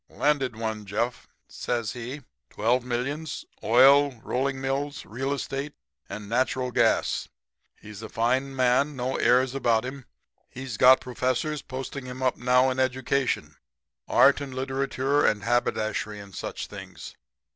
"'Landed one, Jeff,' says he. 'Twelve millions. Oil, rolling mills, real estate and natural gas. He's a fine man; no airs about him. Made all his money in the last five years. He's got professors posting him up now in education art and literature and haberdashery and such things.